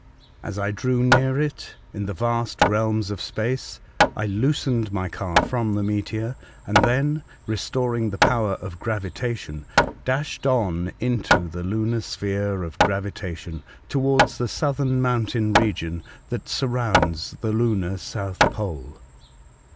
As I drew near it, in the vast realms of space, I loosened my car from the meteor, and then, restoring the power of gravitation, dashed on into the lunar sphere of gravitation towards the southern mountain region that surrounds the lunar South Pole.